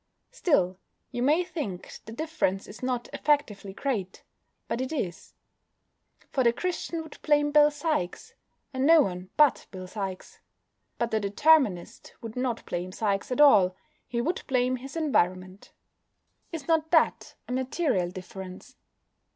Still, you may think the difference is not effectively great. But it is. For the Christian would blame Bill Sikes, and no one but Bill Sikes. But the Determinist would not blame Sikes at all: he would blame his environment. Is not that a material difference?